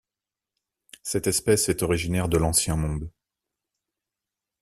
Cette espèce est originaire de l'Ancien Monde.